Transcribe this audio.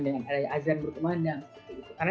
dengan ada azan berkemah dan sebagainya